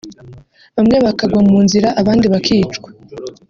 bamwe bakagwa mu nzira abandi bakicwa